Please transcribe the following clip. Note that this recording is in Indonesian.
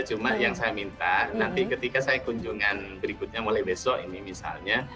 cuma yang saya minta nanti ketika saya kunjungan berikutnya mulai besok ini misalnya